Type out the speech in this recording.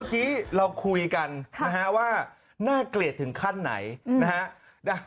เมื่อกี้เราคุยกันนะฮะว่าน่าเกลียดถึงขั้นไหนนะฮะ